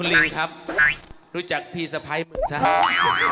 คุณลิงครับรู้จักพี่สะพ้ายเหมือนสหาย